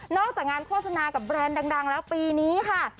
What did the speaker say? จากงานโฆษณากับแบรนด์ดังแล้วปีนี้ค่ะ